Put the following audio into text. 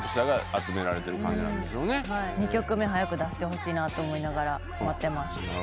２曲目早く出してほしいなと思いながら待ってます。